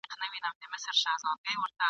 نه پوهیږو چي په کوم ځای کي خوږمن یو !.